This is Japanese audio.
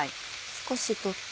少し取って。